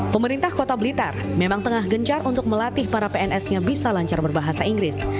pemerintah kota blitar memang tengah gencar untuk melatih para pns nya bisa lancar berbahasa inggris